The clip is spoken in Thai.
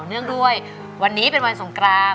เนื่องด้วยวันนี้เป็นวันสงกราน